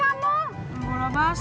aduh iqbal bentar kenapa sih